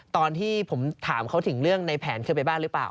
ตอนที่ผมถามเขาถึงเรื่องในแผนเคยไปบ้านหรือเปล่า